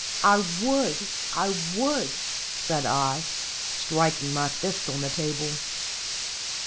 "I would! I would!" said I, striking my fist on the table.